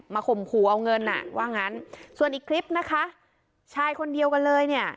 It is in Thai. ข่มขู่เอาเงินอ่ะว่างั้นส่วนอีกคลิปนะคะชายคนเดียวกันเลยเนี่ย